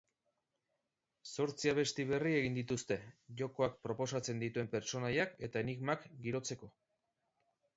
Zortzi abesti berri egin dituzte, jokoak proposatzen dituen pertsonaiak eta enigmak girotzeko.